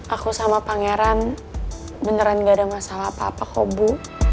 aku sama pangeran beneran gak ada masalah apa apa kok bu